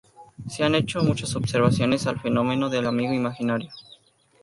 Se han hecho muchas observaciones al fenómeno del amigo imaginario.